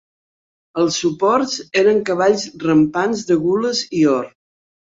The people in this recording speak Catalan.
Els suports eren cavalls rampants de gules i or.